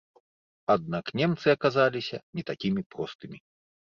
Аднак немцы аказаліся не такімі простымі.